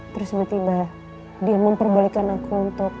terus tiba tiba dia memperbolehkan aku untuk